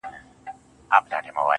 و تاته چا زما غلط تعريف کړی و خدايه.